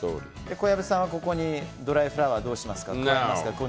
小籔さんは、ここにドライフラワーはどうしますか。